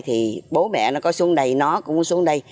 thì bố mẹ nó có xuống đây nó cũng xuống đây